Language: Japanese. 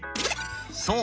そう！